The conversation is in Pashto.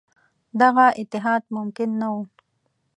دغه اتحاد ممکن نه وو.